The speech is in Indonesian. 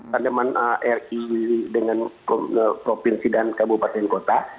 tandeman rki dengan provinsi dan kabupaten kota